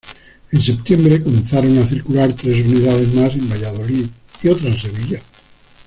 En septiembre comenzaron a circular tres unidades más en Valladolid y otra en Sevilla.